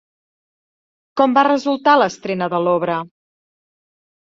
Com va resultar l'estrena de l'obra?